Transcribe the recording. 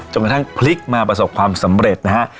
กระทั่งพลิกมาประสบความสำเร็จนะฮะ